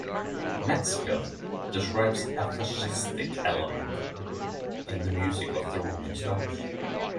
Metzger describes "a fascistic element" in the music of the Rolling Stones.